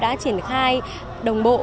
đã triển khai đồng bộ